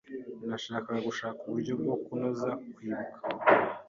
Ndashaka gushaka uburyo bwo kunoza kwibuka.